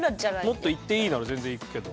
もっといっていいなら全然いくけど。